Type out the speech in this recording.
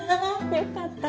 よかったね。